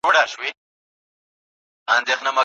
نسته څوک د رنځ طبیب نه د چا د زړه حبیب